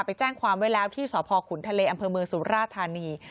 ไปแจ้งความไว้แล้วที่สพขุนทะเลอำเภอเมืองสุราธานี